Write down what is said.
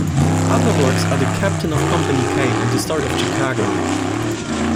Other works are "The Captain of Company K" and "The Story of Chicago".